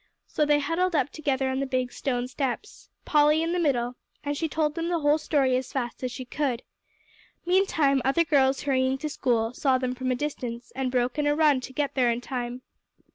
So they huddled up together on the big stone steps, Polly in the middle, and she told them the whole story as fast as she could. Meantime other girls hurrying to school, saw them from a distance, and broke into a run to get there in time.